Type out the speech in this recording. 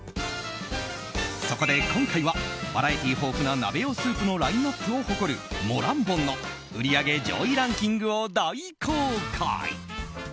そこで、今回はバラエティー豊富な鍋用スープのラインアップを誇るモランボンの売り上げ上位ランキングを大公開。